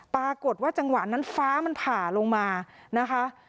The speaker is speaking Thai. ปรากฏว่าจังหวะนั้นฟ้ามันผ่าลงมานะคะ